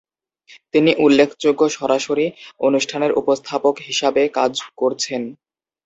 তিনি উল্লেখযোগ্য সরাসরি অনুষ্ঠানের উপস্থাপক হিসাবে কাজ করছেন।